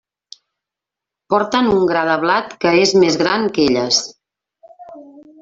Porten un gra de blat que és més gran que elles.